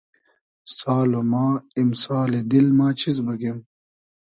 سال و ما ایمسالی دیل ما چیز بوگیم